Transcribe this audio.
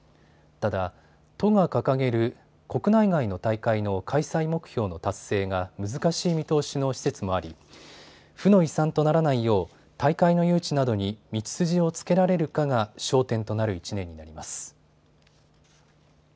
ただ、都が掲げる国内外の大会の開催目標の達成が難しい見通しの施設もあり負の遺産とならないよう大会の誘致などに道筋をつけられるかが焦点となる１年になります。